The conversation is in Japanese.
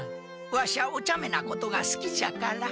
ワシャおちゃめなことがすきじゃから。